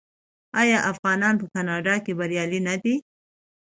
آیا افغانان په کاناډا کې بریالي نه دي؟